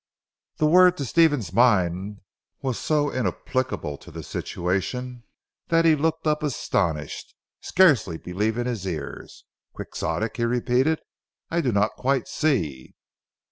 The word to Stephen's mind was so inapplicable to the situation that he looked up astonished, scarcely believing his ears. "Quixotic!" he repeated. "I do not quite see."